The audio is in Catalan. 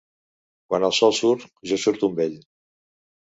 Quan el sol surt, jo surto amb ell.